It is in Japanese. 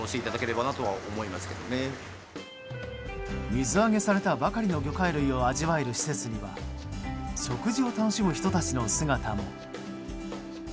水揚げされたばかりの魚介類を味わえる施設には食事を楽しむ人たちの姿も。